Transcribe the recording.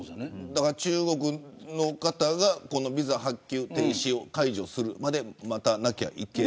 中国の方がビザ発給停止を解除するまで待たなきゃいけない。